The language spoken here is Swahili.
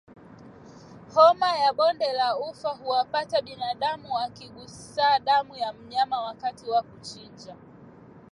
Homa ya bonde la ufa huwapata binadamu wakigusa damu ya mnyama wakati wa kuchinja